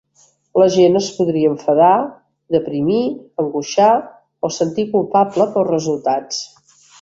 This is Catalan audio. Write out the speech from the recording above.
La gent es podria enfadar, deprimir, angoixar o sentir culpable pels resultats.